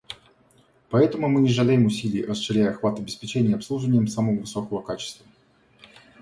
По этому мы не жалеем усилий, расширяя охват обеспечения обслуживанием самого высокого качества.